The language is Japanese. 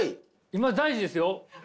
今大事ですよ！